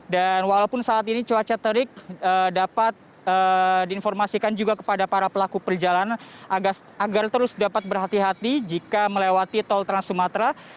dan walaupun saat ini cuaca terik dapat diinformasikan juga kepada para pelaku perjalanan agar terus dapat berhati hati jika melewati tol trans sumatera